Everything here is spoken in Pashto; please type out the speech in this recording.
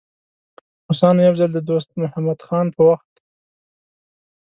روسانو یو ځل د دوست محمد خان په وخت.